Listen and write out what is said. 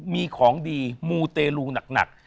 มีของดีมูเตลูหนัก